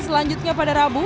saya pikir itu bagus